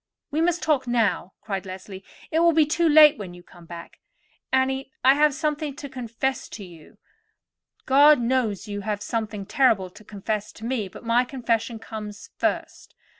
"We must talk now," cried Leslie; "it will be too late when you come back. Annie, I have something to confess to you; and you—God knows you have something terrible to confess to me; but my confession comes first.